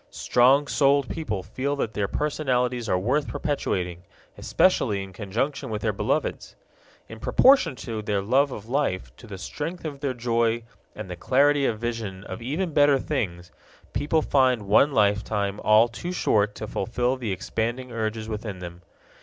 Strong souled people feel that their personalities are worth perpetuating, especially in conjunction with their beloveds'! In proportion to their love of life, to the strength of their joy and the clarity of vision of even better things, people find one lifetime all too short to fulfill the expanding urges within them.